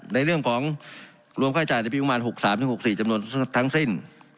ในร่วมข้าอาจจ่ายจะมีประมาณ๓๖๓๖๔จำนวนทั้งสิ้น